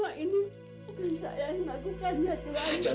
tapi yang jelas dan perlu diperhatikan